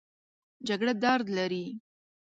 جګړه درد لري